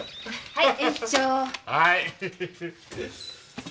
はい。